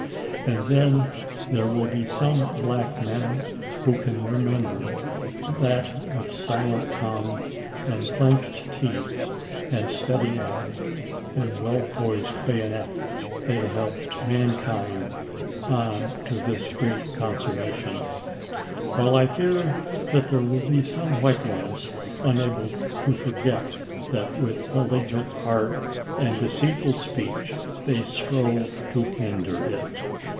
And then there will be some black men who can remember that with silent tongue, and clenched teeth, and steady eye, and well poised bayonet they have helped mankind on to this great consummation ; while I fear there will be some white ones unable to forget that with malignant heart and deceitful speech they strove to hinder it.